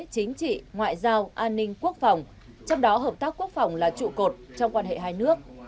chính trị ngoại giao an ninh quốc phòng trong đó hợp tác quốc phòng là trụ cột trong quan hệ hai nước